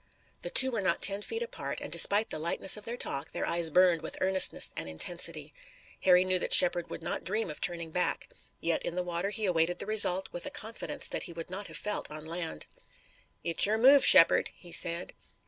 The two were not ten feet apart, and, despite the lightness of their talk, their eyes burned with eagerness and intensity. Harry knew that Shepard would not dream of turning back. Yet in the water he awaited the result with a confidence that he would not have felt on land. "It's your move, Mr. Shepard," he said.